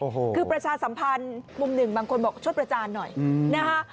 คือประชาสัมพันธ์มุมหนึ่งบางคนบอกชดประจานหน่อยนะครับ